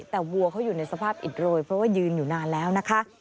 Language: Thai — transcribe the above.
แต่วัวเขาอยู่ในสภาพอิดโรยเพราะว่ายืนอยู่นานแล้วนะคะ